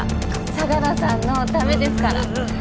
相良さんのためですから。